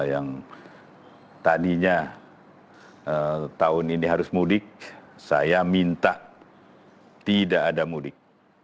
yang tadinya tahun ini harus mudik saya minta tidak ada mudik